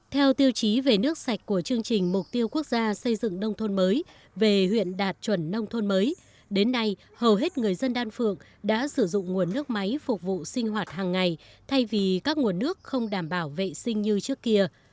theo tiêu chí về nước sạch của chương trình mục tiêu quốc gia xây dựng nông thôn mới về huyện đạt chuẩn nông thôn mới đến nay hầu hết người dân đan phượng đã sử dụng nguồn nước máy phục vụ sinh hoạt hàng ngày thay vì các nguồn nước không đảm bảo vệ sinh như trước kia